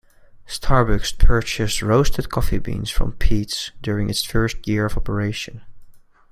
Starbucks purchased roasted coffee beans from Peet's during its first year of operation.